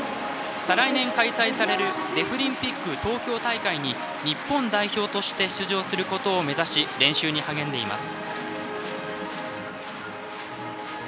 再来年、開催されるデフリンピック東京大会に日本代表として出場することを目指し、練習に励んでいます。